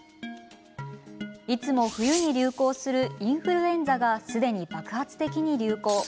いつも冬に流行するインフルエンザがすでに爆発的に流行。